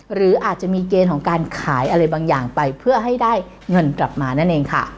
หรืออาจจะมีเกณฑ์ของการขายอะไรบางอย่างไปเพื่อให้ได้เงินกลับมานั่นเองค่ะ